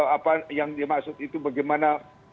apa yang dimaksud itu bagaimana